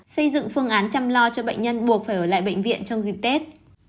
xây dựng phương án chăm lo cho bệnh nhân buộc phải ở lại bệnh viện trong dịp tết